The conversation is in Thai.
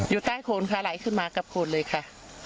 อยู่ใต้คราร์โคนค่ะไหลขึ้นมากับครรรค์เลยค่ะ